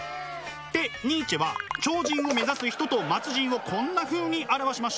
でニーチェは超人を目指す人と末人をこんなふうに表しました。